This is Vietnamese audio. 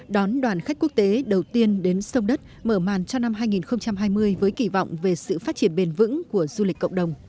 đón đoàn khách quốc tế đầu tiên đến sông đất mở màn cho năm hai nghìn hai mươi với kỳ vọng về sự phát triển bền vững của du lịch cộng đồng